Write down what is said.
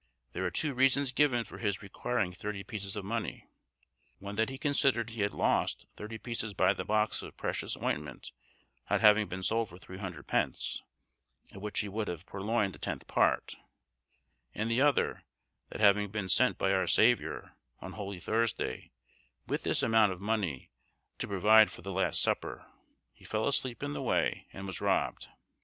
There are two reasons given for his requiring thirty pieces of money: one that he considered he had lost thirty pieces by the box of precious ointment not having been sold for 300 pence, of which he would have purloined the tenth part; and the other, that having been sent by our Saviour, on Holy Thursday, with this amount of money, to provide for the last supper, he fell asleep in the way and was robbed.